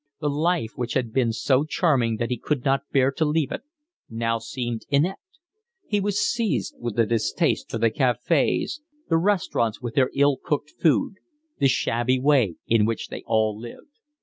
The life which had been so charming that he could not bear to leave it now seemed inept; he was seized with a distaste for the cafes, the restaurants with their ill cooked food, the shabby way in which they all lived.